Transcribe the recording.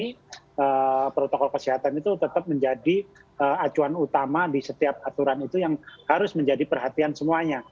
karena protokol kesehatan itu tetap menjadi acuan utama di setiap aturan itu yang harus menjadi perhatian semuanya